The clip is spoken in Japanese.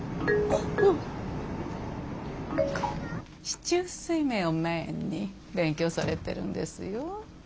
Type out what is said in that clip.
四柱推命をメインに勉強されてるんですよ。